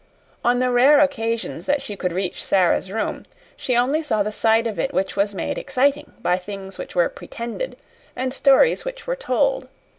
On the rare occasions that she could reach Sara's room she only saw the side of it which was made exciting by things which were "pretended" and stories which were told.